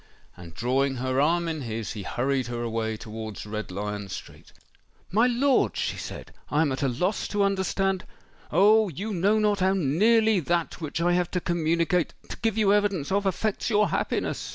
And drawing her arm in his, he hurried her away towards Red Lion Street. "My lord," she said, "I am at a loss to understand——" "Oh! you know not how nearly that which I have to communicate—to give you evidence of—affects your happiness!"